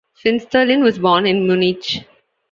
Finsterlin was born in Munich.